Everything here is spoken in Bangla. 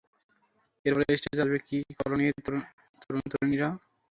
এরপর স্টেজে আসবে বি কলোনির তরুণ তরুণীরা।